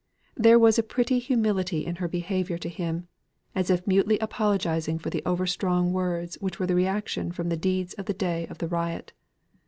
There was a pretty humility in her behaviour to him, as if mutely apologising for the over strong words which were the reaction from the deeds of the day of the riot.